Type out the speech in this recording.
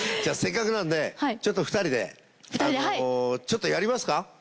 せっかくなんでちょっと２人でちょっとやりますか？